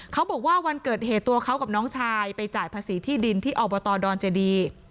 เขาบอกว่าวันเกิดเหตุตัวเขากับน้องชายไปจ่ายภาษีที่ดินที่อบตดอนเจดี